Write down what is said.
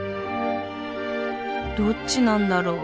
どっちなんだろう。